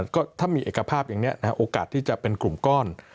ก็ถ้ามีเอกภาพอย่างนี้โอกาสที่จะเป็นกลุ่มก้อน